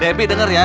debi denger ya